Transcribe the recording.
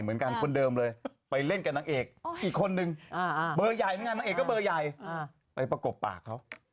พระเอกเบอร์ใหญ่ไปประกบปากเขา